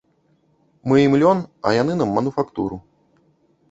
Мы ім лён, а яны нам мануфактуру.